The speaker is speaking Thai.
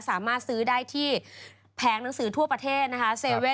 สามารถซื้อได้ที่แผงหนังสือทั่วประเทศนะคะ